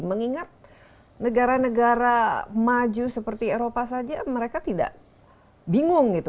mengingat negara negara maju seperti eropa saja mereka tidak bingung gitu